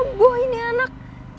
lagi lagi ceroboh ini anak